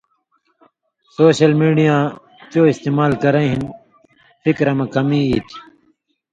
سوشل میڈیاں چو استعمال کرَیں ہِن فِکِر مہ کمی ای تھی